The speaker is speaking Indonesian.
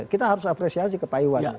pak iwan harus apresiasi ke pak iwan